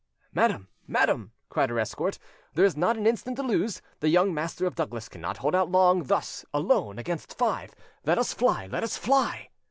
"Madam, madam," cried her escort, "there is not an instant to lose: the young master of Douglas cannot hold out long thus alone against five; let us fly! let us fly!"